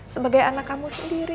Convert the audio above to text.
sebagai anak kamu sendiri